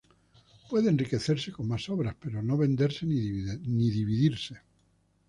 Puede enriquecerse con más obras, pero no venderse ni dividirse.